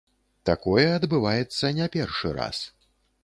Такое адбываецца не першы раз.